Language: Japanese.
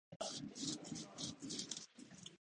カルボナーラを作る